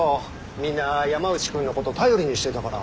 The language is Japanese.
みんな山内君のこと頼りにしてたから。